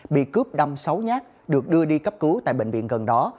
bị cướp đâm sáu nhát được đưa đi cấp cứu tại bệnh viện gần đó